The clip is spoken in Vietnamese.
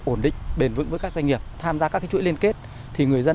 ổn định bền vững với các doanh nghiệp tham gia các chuỗi liên kết thì người dân